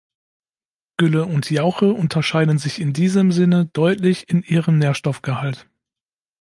Gülle und Jauche unterscheiden sich in diesem Sinne deutlich in ihrem Nährstoffgehalt.